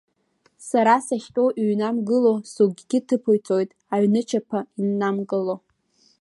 Сара сахьтәоу иҩнамгыло, сыгәгьы ҭыԥо ицоит, аҩнычаԥа иннамкыло…